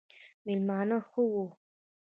مېلمانه ښه وو